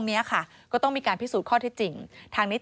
โปรดติดตามต่างกรรมโปรดติดตามต่างกรรม